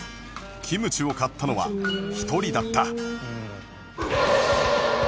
キムチを買ったのは１人だった